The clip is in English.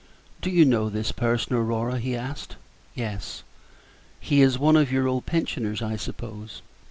"Do you know this person, Aurora?" he asked. "Yes." "He is one of your old pensioners, I suppose?"